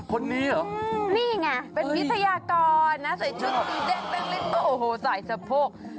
คนนี้เหรอนี่ไงเป็นวิทยากรนะใส่ชุดสีเด้งลิ้นก็โอ้โหสายสะโพก